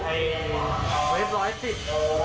ไอเวสร้อยติด